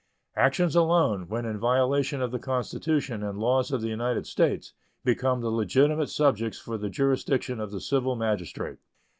Actions alone, when in violation of the Constitution and laws of the United States, become the legitimate subjects for the jurisdiction of the civil magistrate.